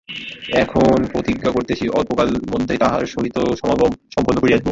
এখন প্রতিজ্ঞা করিতেছি অল্পকালমধ্যেই তাহার সহিত সমাগম সম্পন্ন করিয়া দিব।